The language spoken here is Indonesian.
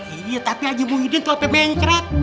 iya tapi haji muhyiddin tuh sampai bengkret